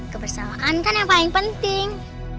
kebersamaan kan yang paling penting